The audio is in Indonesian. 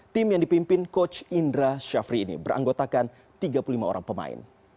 tim yang dipimpin coach indra syafri ini beranggotakan tiga puluh lima orang pemain